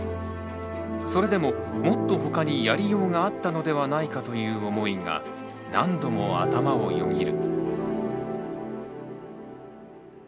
それでももっと他にやりようがあったのではないかという思いが何度も頭をよぎる。